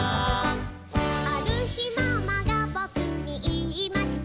「あるひママがボクにいいました」